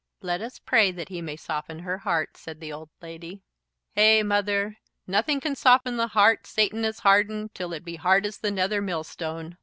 "Let us pray that He may soften her heart," said the old lady. "Eh, mother; nothing can soften the heart Satan has hardened, till it be hard as the nether millstone."